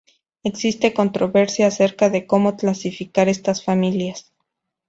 Existe controversia acerca de como clasificar estas familias.